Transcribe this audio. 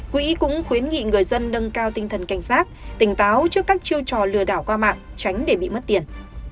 quỹ cũng khuyến nghị người dân nâng cao tinh thần cảnh giác tỉnh táo trước các chiêu trò lừa đảo qua mạng tránh để bị mất tiền